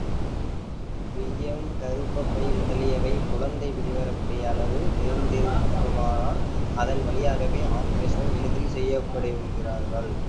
குய்யம், கருப்பப் பை முதலியவை குழந்தை வெளிவரக் கூடிய அளவு விரிந்திருக்குமாதலால் அதன் வழியாகவே ஆப்பரேஷனை எளிதில் செய்துவிடுவார்கள்.